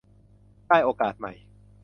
ได้โอกาสใหม่